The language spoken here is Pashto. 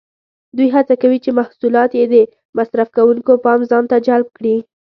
دوی هڅه کوي چې محصولات یې د مصرف کوونکو پام ځانته جلب کړي.